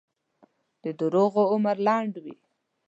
د دروغو عمر لنډ وي.